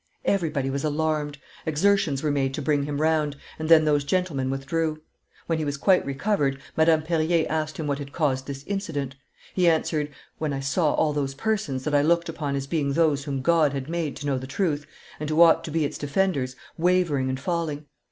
Everybody was alarmed. Exertions were made to bring him round, and then those gentlemen withdrew. When he was quite recovered, Madame Perier asked him what had caused this incident. He answered, 'When I saw all those persons that I looked upon as being those whom God had made to know the truth, and who ought to be its defenders, wavering and falling.